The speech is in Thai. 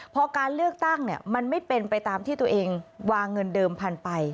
พอการเลือกตั้งมันไม่เป็นไปตามที่ตัวเองวางเงินเดิมพันธุ์ไป